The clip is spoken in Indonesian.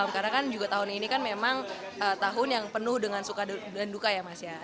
karena kan juga tahun ini kan memang tahun yang penuh dengan suka dan duka ya mas ya